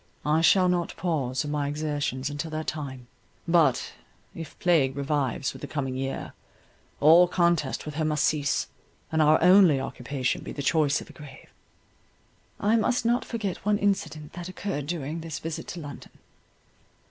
I shall not pause in my exertions until that time; but, if plague revives with the coming year, all contest with her must cease, and our only occupation be the choice of a grave." I must not forget one incident that occurred during this visit to London.